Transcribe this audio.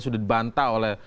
sudah dibantah oleh